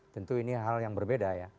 tentu ini hal yang berbeda ya